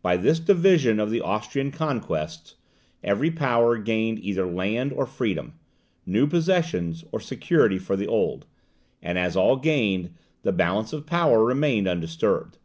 By this division of the Austrian conquests, every power gained either land or freedom, new possessions or security for the old; and as all gained, the balance of power remained undisturbed.